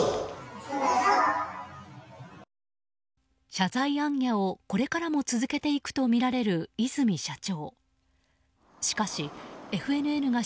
謝罪行脚をこれからも続けていくとみられる和泉社長。